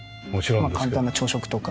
簡単な朝食とか。